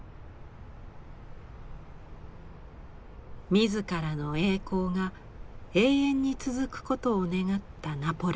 自らの栄光が永遠に続くことを願ったナポレオン。